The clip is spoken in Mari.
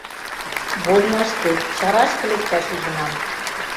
Вольнашке, чарашке лекташ ӱжынам.